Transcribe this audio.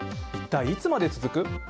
一体いつまで続く？